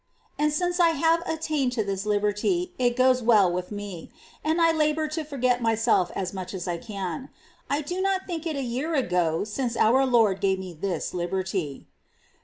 And since I have attained to this liberty, it goes well with me, and I labour to forget myself as much as I can. I do not think it is a year ago since our Lord gave me this liberty.